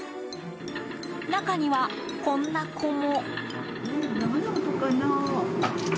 中には、こんな子も。